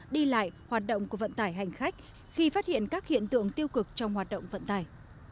đi lại hoạt động của vận tải hành khách khi phát hiện các hiện tượng tiêu cực trong hoạt động vận tải